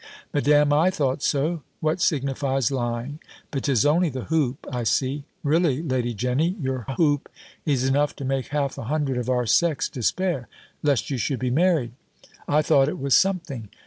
"Madam, I thought so; what signifies lying? But 'tis only the hoop, I see Really, Lady Jenny, your hoop is enough to make half a hundred of our sex despair, lest you should be married. I thought it was something!